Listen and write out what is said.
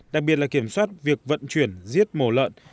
đặc biệt là kiểm soát việc vận chuyển giết mổ lợn